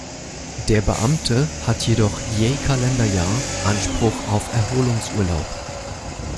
Der Beamte hat jedoch je Kalenderjahr Anspruch auf Erholungsurlaub.